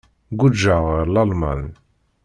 Guǧǧeɣ ɣer Lalman.